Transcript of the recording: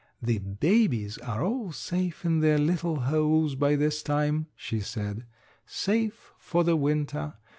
"The babies are all safe in their little holes by this time," she said, "safe for the winter.